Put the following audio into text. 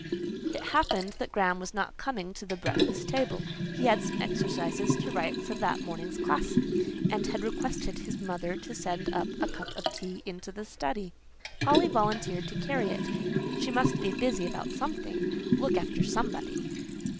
It happened that Graham was not coming to the breakfast table; he had some exercises to write for that morning's class, and had requested his mother to send a cup of tea into the study. Polly volunteered to carry it: she must be busy about something, look after somebody.